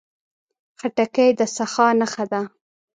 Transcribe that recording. خټکی د سخا نښه ده.